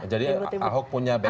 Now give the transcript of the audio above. jadi ahok punya backup ini